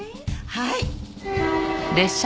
はい。